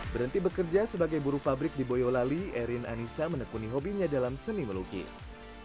berhenti bekerja sebagai buruh pabrik di boyolali erin anissa menekuni hobinya dalam seni melukis